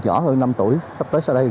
nhỏ hơn năm tuổi sắp tới sau đây